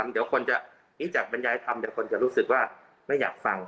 เดี๋ยวคนจะรู้จักบรรยายธรรมเดี๋ยวคนจะรู้สึกว่าไม่อยากฟัง